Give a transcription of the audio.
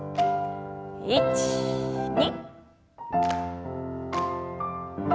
１２。